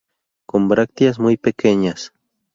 Con brácteas muy pequeñas.